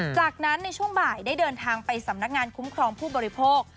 จากนั้นในช่วงบ่ายได้เดินทางไปสำนักงานคุ้มครองผู้บริโภค